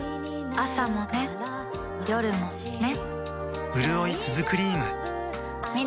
朝もね、夜もね